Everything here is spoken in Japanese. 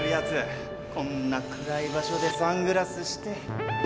こんな暗い場所でサングラスして。